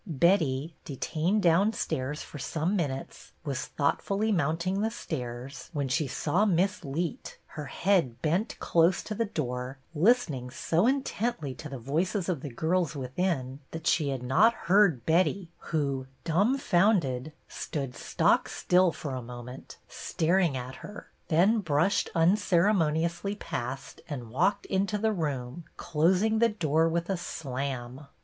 Betty, detained downstairs for some min utes, was thoughtfully mounting the stairs, when she saw Miss Leet, her head bent close to the door, listening so intently to the voices of the girls within that she had not heard Betty who, dumbfounded, stood stock still for a moment, staring at her, then brushed unceremoniously past and walked into the room, closing the door with a slam.